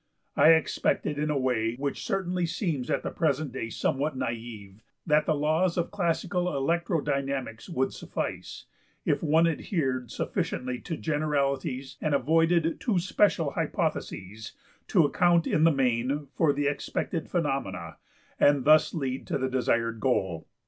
I expected, in a way which certainly seems at the present day somewhat na\"{i}ve, that the laws of classical electrodynamics would suffice, if one adhered sufficiently to generalities and avoided too special hypotheses, to account in the main for the expected phenomena and thus lead to the desired goal.